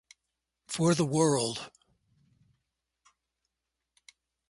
For the world?